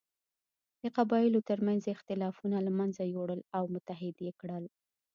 د قبایلو تر منځ یې اختلافونه له منځه یووړل او متحد یې کړل.